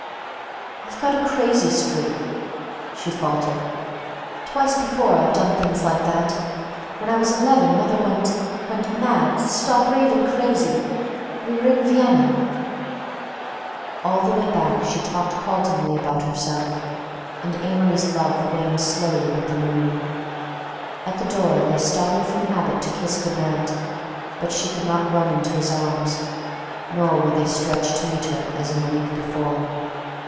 "I've got a crazy streak," she faltered, "twice before I've done things like that. When I was eleven mother went—went mad—stark raving crazy. We were in Vienna—" All the way back she talked haltingly about herself, and Amory's love waned slowly with the moon. At her door they started from habit to kiss good night, but she could not run into his arms, nor were they stretched to meet her as in the week before.